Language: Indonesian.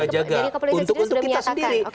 jaga jaga untuk kita sendiri